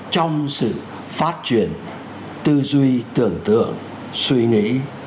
trong sự phát triển tư duy tưởng tượng suy nghĩ